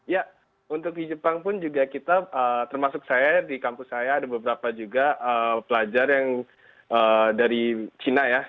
ya untuk di jepang pun juga kita termasuk saya di kampus saya ada beberapa juga pelajar yang dari china ya